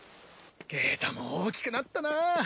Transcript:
ケータも大きくなったな。